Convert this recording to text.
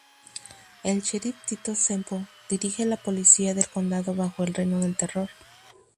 El Sheriff Tito Semple dirige la policía del condado bajo el reino de terror.